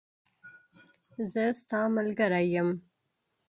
زه ستاملګری یم .